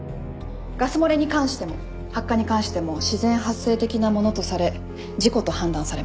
ガス漏れに関しても発火に関しても自然発生的なものとされ事故と判断されました。